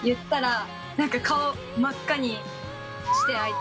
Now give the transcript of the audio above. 何か顔真っ赤にして相手が。